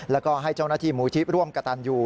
แล้วก็ให้เจ้าหน้าที่หมู่ทิพย์ร่วมกระตานอยู่